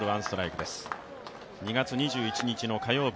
２月２１日の火曜日